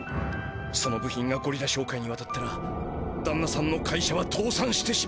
その部品がゴリラ商会にわたったらだんなさんの会社はとうさんしてしまう。